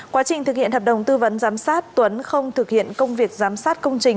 quá trình thực hiện hợp đồng tư vấn giám sát tuấn không thực hiện công việc giám sát công trình